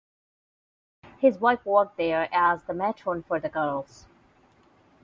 His wife worked there as the matron for the girls.